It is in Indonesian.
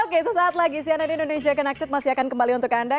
oke sesaat lagi cnn indonesia connected masih akan kembali untuk anda